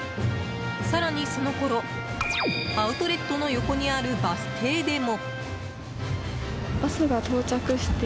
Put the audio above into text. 更に、そのころアウトレットの横にあるバス停でも。